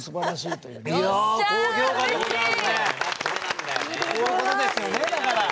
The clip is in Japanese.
そういうことですよねだから。